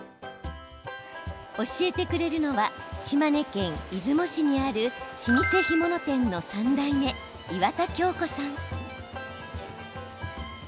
教えてくれるのは島根県出雲市にある老舗干物店の３代目岩田響子さん。